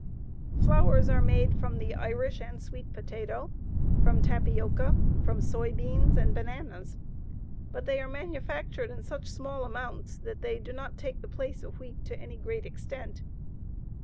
Flours are made from the Irish and sweet potato, from tapioca, from soy beans, and bananas, but they are manufactured in such small amounts that they do not take the place of wheat to any great extent.